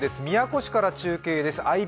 宮古市から中継です。